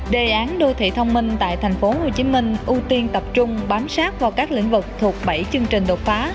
đề án đô thị thông minh tại thành phố hồ chí minh ưu tiên tập trung bám sát vào các lĩnh vực thuộc bảy chương trình đầu phá